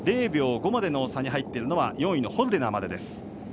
０秒５までの差に入っているのは４位のホルデナーまで。